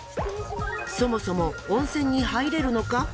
そもそも温泉に入れるのか？